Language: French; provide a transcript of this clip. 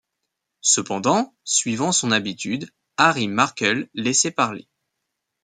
Cependant, suivant son habitude, Harry Markel laissait parler.